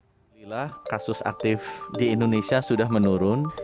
alhamdulillah kasus aktif di indonesia sudah menurun